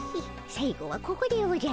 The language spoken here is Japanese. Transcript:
最後はここでおじゃる。